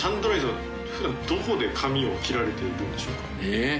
えっ？